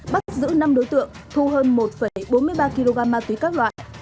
bắt giữ năm đối tượng thu hơn một bốn mươi ba kg ma túy các loại